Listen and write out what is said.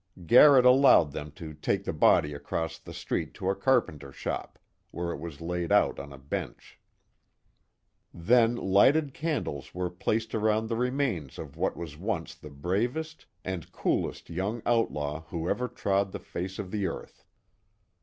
Garrett allowed them to take the body across the street to a carpenter shop, where it was laid out on a bench. Then lighted candles were placed around the remains of what was once the bravest, and coolest young outlaw who ever trod the face of the earth.